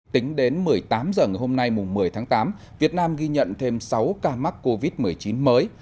tính đến một mươi tám h ngày hôm nay một mươi tháng tám việt nam ghi nhận thêm sáu ca mắc covid một mươi chín mới